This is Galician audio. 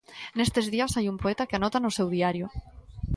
Nestes días hai un poeta que anota no seu diario.